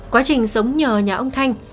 quá trình sống nhờ nhà ông thành